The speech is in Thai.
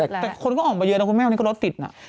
แต่คนก็ออ่อมไปเยอะนะคุณแม่คุณแม่ว่านี่ก็รถติดอ่า